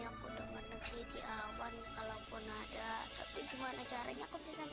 aku adalah laki laki yang paling cantik di seluruh dunia